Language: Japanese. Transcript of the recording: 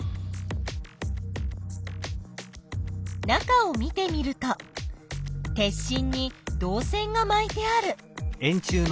中を見てみると鉄しんに導線がまいてある。